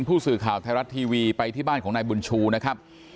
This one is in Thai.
ผู้สื่อข่าวไทยรัฐทีวีไปที่บ้านของนายบุญชูนะครับ